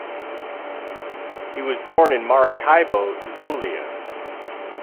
He was born in Maracaibo, Zulia.